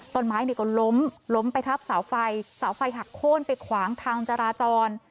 ต้นไม้เนี่ยก็ล้มล้มไปทับเสาไฟเสาไฟหักโค้นไปขวางทางจราจร